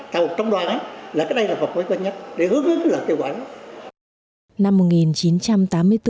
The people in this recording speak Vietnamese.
tàu trong đoàn á là cái đây là vòng quay quay nhất thì ước ước là kêu gọi đó